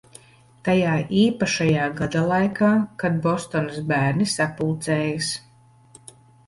Tajā īpašajā gada laikā, kad Bostonas bērni sapulcējas.